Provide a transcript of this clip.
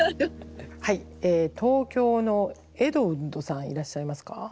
はい東京のエドウッドさんいらっしゃいますか？